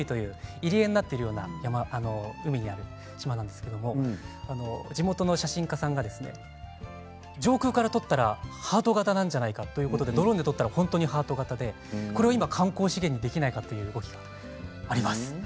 入り江にある島なんですが地元の写真家さんが上空から撮ったらハート形なんじゃないかということでドローンで撮ったら本当にハート形でこれを今観光資源にできないかという動きがあります。